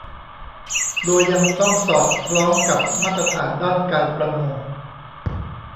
โดยยังต้องสอดคล้องกับมาตรฐานด้านการประมง